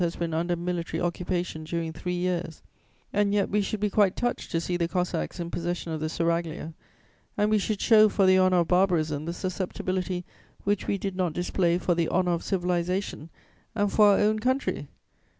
has been under military occupation during three years; and yet we should be quite touched to see the Cossacks in possession of the Seraglio, and we should show for the honour of barbarism the susceptibility which we did not display for the honour of civilization and for our own country!